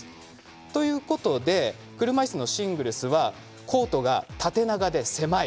ということで車いすのシングルスはコートが縦長で狭い。